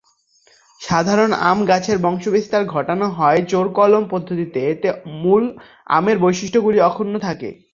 সাধারণত আম গাছের বংশবিস্তার ঘটানো হয় জোড়কলম পদ্ধতিতে, এতে মূল আমের বৈশিষ্ট্যগুলি অক্ষুণ্ণ থাকে।